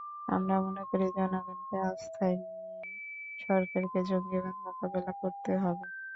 আমরা মনে করি, জনগণকে আস্থায় নিয়েই সরকারকে জঙ্গিবাদ মোকাবিলা করতে হবে।